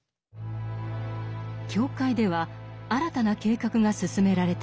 教会では新たな計画が進められていました。